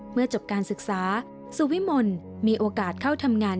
เมื่อจบการศึกษาสุวิมลมีโอกาสเข้าทำงาน